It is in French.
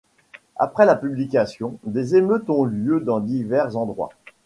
Après la publication, des émeutes ont lieu dans divers endroits.